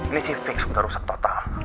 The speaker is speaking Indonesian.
ini sih fix sudah rusak total